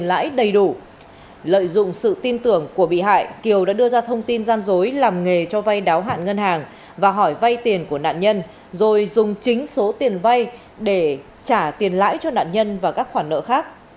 lợi dụng sự tin tưởng của bị hại kiều đã đưa ra thông tin gian dối làm nghề cho vay đáo hạn ngân hàng và hỏi vay tiền của nạn nhân rồi dùng chính số tiền vay để trả tiền lãi cho nạn nhân và các khoản nợ khác